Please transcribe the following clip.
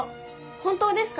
本当ですか？